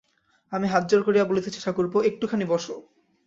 আমি হাতজোড় করিয়া বলিতেছি ঠাকুরপো, একটুখানি বসো।